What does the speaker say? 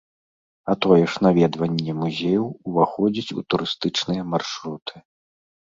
А тое ж наведванне музеяў уваходзіць у турыстычныя маршруты.